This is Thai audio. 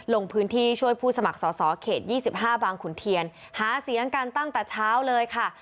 ลงพื้นที่ช่วยผู้สมัครสอสอเขต๒๕บางขุนเทียนหาเสียงกันตั้งแต่เช้าเลยค่ะ